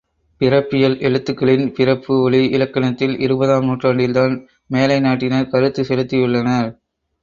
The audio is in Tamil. பிறப்பியல் எழுத்துகளின் பிறப்பு ஒலி இலக்கணத்தில் இருபதாம் நூற்றாண்டில்தான் மேலைநாட்டினர் கருத்து செலுத்தியுள்ளனர்.